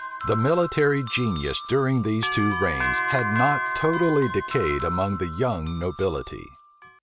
The military genius during these two reigns had not totally decayed among the young nobility.